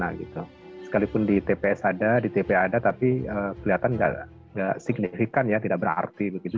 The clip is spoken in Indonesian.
atau setara dua tahun tumpukan sampah yang dihasilkan oleh dki jakarta